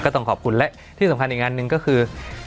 ต้องขอบคุณและที่สำคัญอีกอันหนึ่งก็คือ